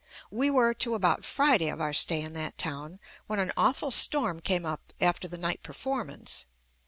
We were to about Friday of our stay in that town when an awful storm came up after the night performance.